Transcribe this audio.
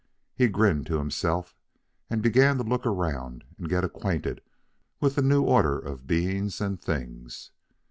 He grinned to himself, and began to look around and get acquainted with the new order of beings and things.